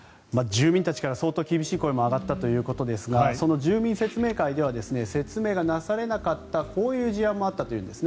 住民たちから相当厳しい声も上がったということですがその住民説明会では説明がなされなかったこういう事案もあったというんです。